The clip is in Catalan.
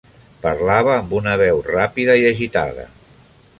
Parlava amb una veu ràpida i agitada.